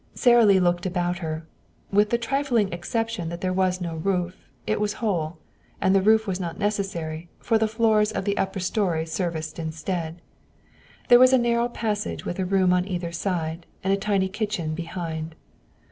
Sara Lee looked about her. With the trifling exception that there was no roof, it was whole. And the roof was not necessary, for the floors of the upper story served instead. There was a narrow passage with a room on either side, and a tiny kitchen behind.